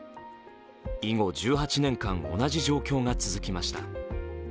以後１８年間同じ状況が続きました。